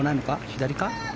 左か？